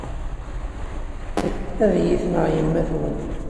Ad iyi-tneɣ yemma-twen.